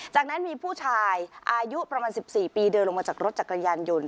จากนั้นมีผู้ชายอายุประมาณ๑๔ปีเดินลงมาจากรถจักรยานยนต์